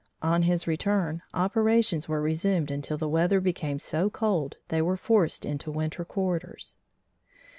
On his return, operations were resumed until the weather became so cold they were forced into winter quarters.